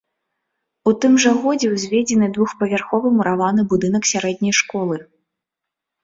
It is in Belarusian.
У тым жа годзе ўзведзены двухпавярховы мураваны будынак сярэдняй школы.